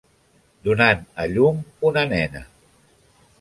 Donant a llum una nena.